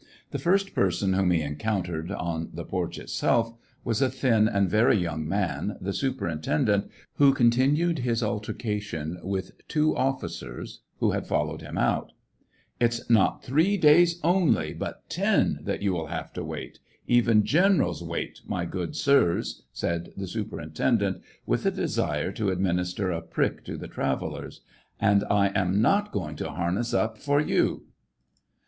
The first person whom he encountered, on the porch itself, was a thin and very young man, the superintendant, who contin ued his altercation with two officers, who had fol lowed him out. It's not three days only, but ten that you will have to wait. Even generals wait, my good sirs !" said the superintendent, with a desire to adminis ter a prick to the travellers ;" and I am not going to harness up for you."